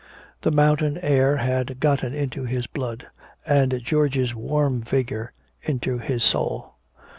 The mountain air had got into his blood and George's warm vigor into his soul.